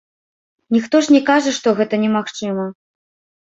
Ніхто ж не кажа, што гэта немагчыма.